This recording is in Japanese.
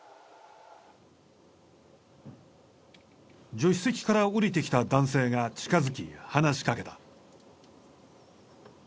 助手席から降りてきた男性が近づき話しかけた。